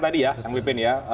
tadi ya yang wp